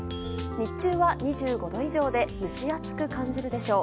日中は２５度以上で蒸し暑く感じるでしょう。